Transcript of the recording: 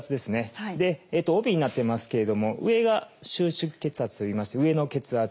帯になってますけれども上が「収縮血圧」といいまして上の血圧。